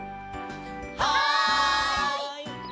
はい！